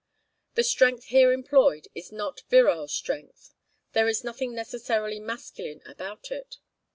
The strength here employed is not virile strength; there is nothing necessarily masculine about it.